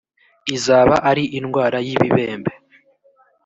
izaba ari indwara y ibibembe